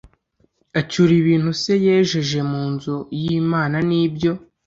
acyura ibintu se yejeje mu nzu y imana n ibyo